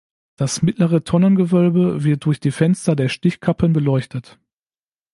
Das mittlere Tonnengewölbe wird durch die Fenster der Stichkappen beleuchtet.